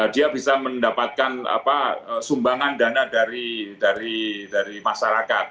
dia bisa mendapatkan sumbangan dana dari masyarakat